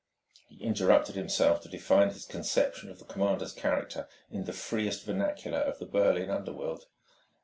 He interrupted himself to define his conception of the commander's character in the freest vernacular of the Berlin underworld.